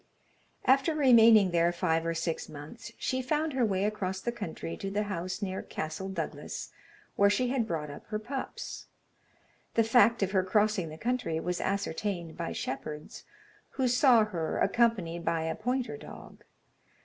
After remaining there five or six months, she found her way across the country to the house near Castle Douglas where she had brought up her pups. The fact of her crossing the country was ascertained by shepherds, who saw her, accompanied by a pointer dog.